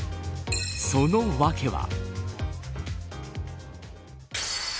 その訳は。